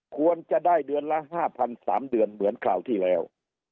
ควรจะได้เดือนละ๕๐๐๓เดือนเหมือนคราวที่แล้ว